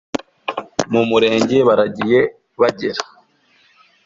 mumurenge baragiye bagera